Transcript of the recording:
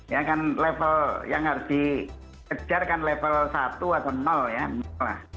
yang harus dikejarkan level satu atau ya